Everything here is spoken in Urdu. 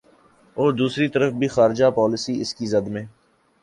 ا ور دوسری طرف خارجہ پالیسی بھی اس کی زد میں ہے۔